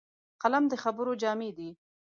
قلم د خبرو جامې دي